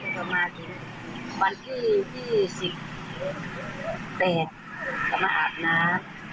ประมาณวันที่๒๘ก็มาอาบน้ำ